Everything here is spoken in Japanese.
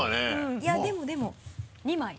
いやでもでも２枚。